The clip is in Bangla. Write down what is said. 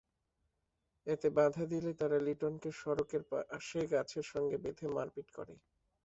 এতে বাধা দিলে তারা লিটনকে সড়কের পাশে গাছের সঙ্গে বেঁধে মারপিট করে।